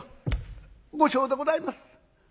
「後生でございます。